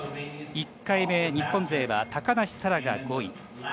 １回目、日本勢は高梨沙羅が５位。